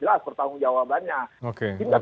jelas pertanggung jawabannya ini tidak